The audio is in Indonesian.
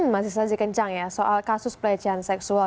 masih saja kencang ya soal kasus pelecehan seksual